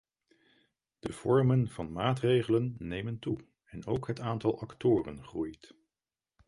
De vormen van maatregelen nemen toe en ook het aantal actoren groeit.